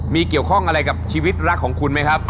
มีเกี่ยวข้องอะไรกับชีวิตรักของคุณไหมครับ